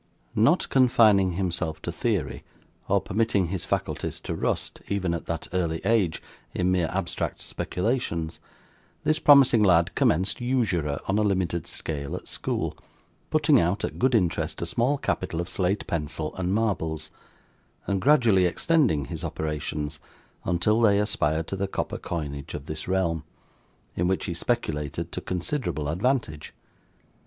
Not confining himself to theory, or permitting his faculties to rust, even at that early age, in mere abstract speculations, this promising lad commenced usurer on a limited scale at school; putting out at good interest a small capital of slate pencil and marbles, and gradually extending his operations until they aspired to the copper coinage of this realm, in which he speculated to considerable advantage.